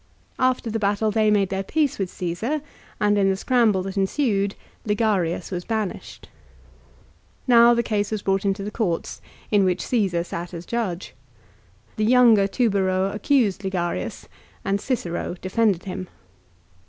After the battle they made their peace with Caesar, and in the scramble that ensued Ligarius was banished. Now the case was brought into the courts, in which Csesar sat as judge. The younger Tubero accused Ligarius, and Cicero defended him.